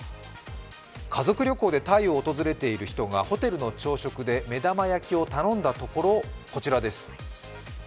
家族旅行でタイを訪れている人がホテルの朝食で目玉焼きを頼んだところ、こちらです。